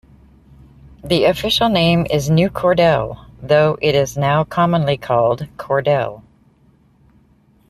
The official name is New Cordell, though it is now commonly called Cordell.